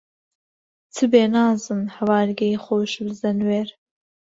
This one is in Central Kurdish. چ بێ نازن، هەوارگەی خۆش و زەنوێر